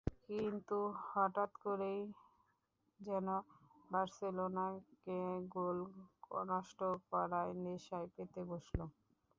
কিন্তু হঠাৎ করেই যেন বার্সেলোনাকে গোল নষ্ট করার নেশায় পেয়ে বসল।